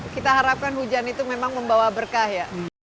kita harapkan hujan itu memang membawa berkah ya